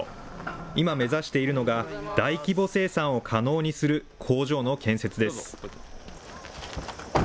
今、目指しているのが大規模生産を可能にする工場の建設です。